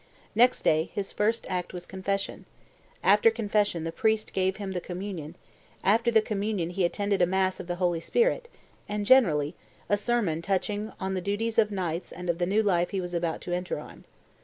Next day, his first act was confession; after confession the priest gave him the communion; after the communion he attended a mass of the Holy Spirit; and, generally, a sermon touching the duties of knights and of the new life he was about to enter on.